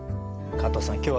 加藤さん